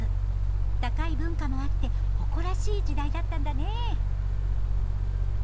高い文化もあって誇らしい時代だったんだねえ。